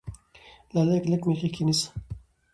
لاليه کلک مې غېږ کې نيسه